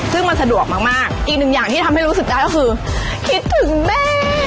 ซึ่งมันสะดวกมากอีกหนึ่งอย่างที่ทำให้รู้สึกได้ก็คือคิดถึงแม่